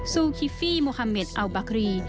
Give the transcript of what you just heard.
ซูคิฟฟี่โมฮาเมดอัลบาครี